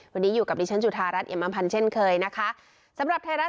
วันนี้อยู่กับดิฉันจุธารัฐเอมพันธ์เช่นเคยนะคะสำหรับไทยรัฐ